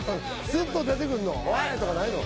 スッと出てくんの？おい！とかないの？